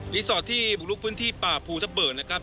สอดที่บุกลุกพื้นที่ป่าภูทะเบิกนะครับ